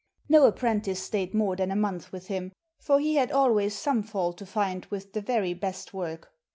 No apprentice stayed more than a month with him, for he had always some fault to find with the very best work.